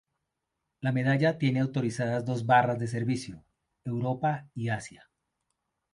La medalla tiene autorizadas dos barras de servicio: Europa y Asia.